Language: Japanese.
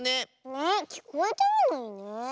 ねえきこえてるのにね。